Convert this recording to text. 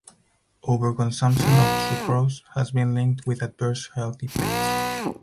Overconsumption of sucrose has been linked with adverse health effects.